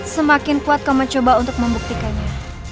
semakin kuat kau mencoba untuk membuktikannya